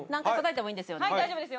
はい大丈夫ですよ